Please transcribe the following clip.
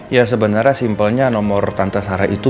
ya sebenarnya simpelnya nomor tante sarah itu